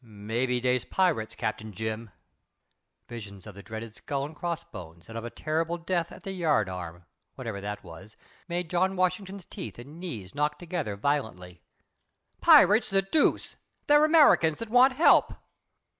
"Maybe dey's pirates, Cap. Jim." Visions of the dreaded skull and cross bones and of a horrible death at the yardarm, whatever that was, made John Washington's teeth and knees knock together violently. "Pirates, the deuce! They're Americans that want help."